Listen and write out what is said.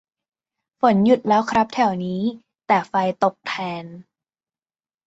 ฝนหยุดแล้วครับแถวนี้ แต่ไฟตกแทน